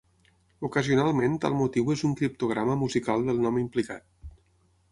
Ocasionalment tal motiu és un criptograma musical del nom implicat.